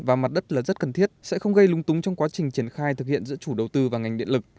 và mặt đất là rất cần thiết sẽ không gây lung túng trong quá trình triển khai thực hiện giữa chủ đầu tư và ngành điện lực